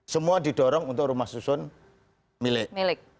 semua didorong untuk rumah susun milik